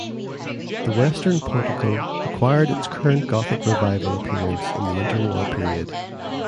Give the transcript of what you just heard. The western portico acquired its current Gothic Revival appearance in the interwar period.